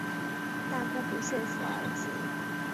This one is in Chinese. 大姑姑说服儿子